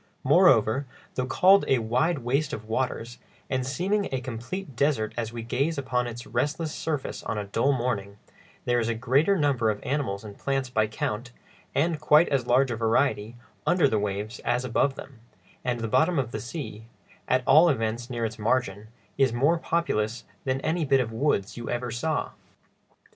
Moreover, though called a "wide waste of waters," and seeming a complete desert as we gaze upon its restless surface on a dull morning, there is a greater number of animals and plants by count, and quite as large a variety, under the waves as above them, and the bottom of the sea—at all events near its margin—is more populous than any bit of woods you ever saw.